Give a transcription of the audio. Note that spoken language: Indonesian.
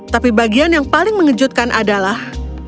tapi bagian yang paling mengejutkan adalah